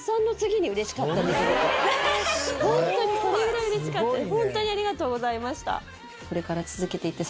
ホントにそれぐらい嬉しかったです。